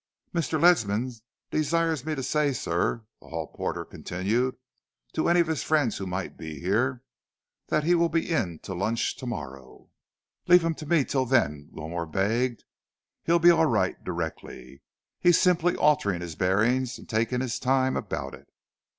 "Mr. Ledsam desired me to say, sir," the hall porter continued, "to any of his friends who might be here, that he will be in to lunch to morrow." "Leave him to me till then," Wilmore begged. "He'll be all right directly. He's simply altering his bearings and taking his time about it.